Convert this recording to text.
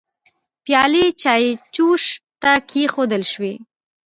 پيالې چايجوشه ته کيښودل شوې.